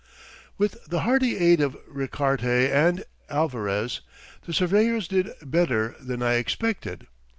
With the hearty aid of Richarte and Alvarez, the surveyors did better than I expected.